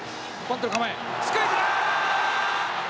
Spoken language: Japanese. スクイズだ！